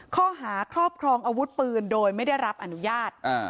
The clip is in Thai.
ข้อหาครอบครองอาวุธปืนโดยไม่ได้รับอนุญาต